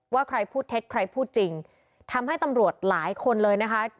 ว่าใครพูดเท็จใครพูดจริงทำให้ตำรวจหลายคนเลยนะคะ